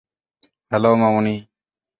Hello, Mamoni!